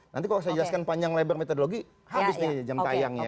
nanti kalau saya jelaskan panjang lebar metodologi habis nih jam tayangnya